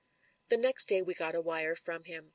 The next day we got a wire from him.